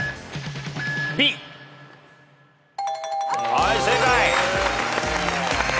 はい正解。